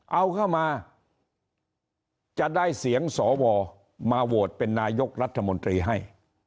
เอาเข้ามาจะได้เสียงสวมาโหวตเป็นนายกรัฐมนตรีให้